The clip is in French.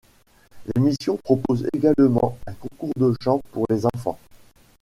L'émission propose également un concours de chant pour les enfants.